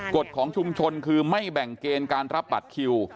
กฎของชุมชนคือไม่แบ่งเกณฑ์การรับบัตรคิว